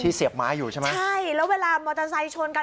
เสียบไม้อยู่ใช่ไหมใช่แล้วเวลามอเตอร์ไซค์ชนกัน